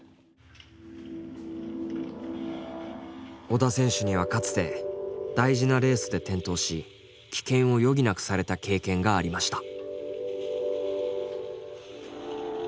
織田選手にはかつて大事なレースで転倒し棄権を余儀なくされた経験がありました。